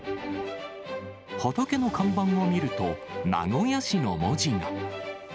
畑の看板を見ると、名古屋市の文字が。